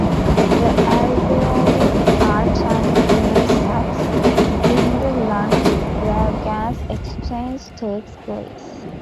The alveoli are tiny air sacs in the lungs where gas exchange takes place.